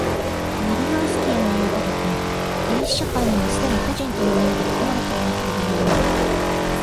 マリノースキイのいう如く、原始社会にも既に個人というものが含まれていなければならない。